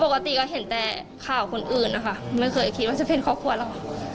เพราะปกติว่าเห็นแต่ข่าวคนอื่นนะคะไม่เคยคิดว่าจะเป็นคราวกันหรอก